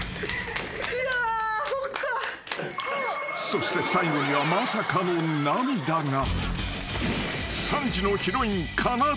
［そして最後にはまさかの涙が］